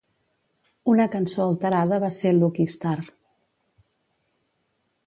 Una cançó alterada va ser "Lucky Star".